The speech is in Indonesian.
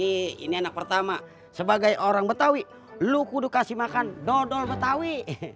ini anak pertama sebagai orang betawi lu kudu kasih makan dodol betawi